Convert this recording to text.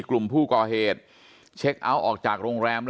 กลุ่มผู้ก่อเหตุเช็คเอาท์ออกจากโรงแรม